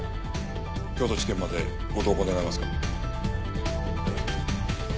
京都地検までご同行願えますか？